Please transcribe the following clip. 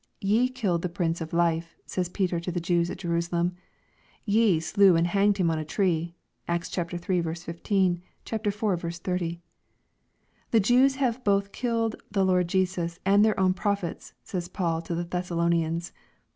" Ye killed the Prince of life," says Peter to the Jews at Jerusalem. " Ye slew and hanged him on a tree.'' (Acts iii. 15 ; iv. 30.) *• The Jews have both killed the Lord Jesus and their own prophets," says Paul to the Thessalonians.